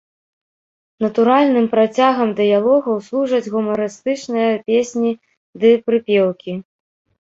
Натуральным працягам дыялогаў служаць гумарыстычныя песні ды прыпеўкі.